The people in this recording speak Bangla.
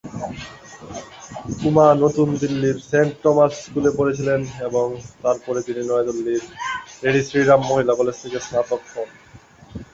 উমা নতুন দিল্লির সেন্ট টমাস স্কুলে পড়েছিলেন এবং তারপরে তিনি নয়াদিল্লির লেডি শ্রী রাম মহিলা কলেজ থেকে স্নাতক হন।